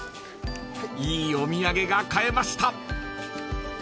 ［いいお土産が買えました］